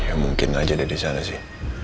ya mungkin aja ada di sana sih